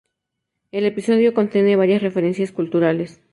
El episodio contiene varias referencias culturales.